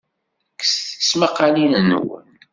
Kkset tismaqqalin-nwen.